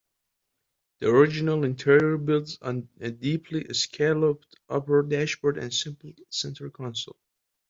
The original interior builds on a deeply scalloped upper dashboard and simple centre console.